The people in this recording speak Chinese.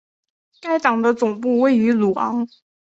该党的总部位于鲁昂。